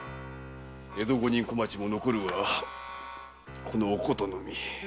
江戸五人小町も残るはこのお琴のみ。